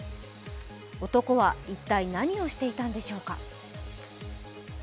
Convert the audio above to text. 男は一体何をしていたんでしょうか。